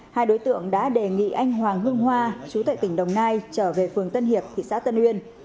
hai đối tượng đã đề nghị anh hoàng hương hoa chú tại tỉnh đồng nai trở về phường tân hiệp thị xã tân uyên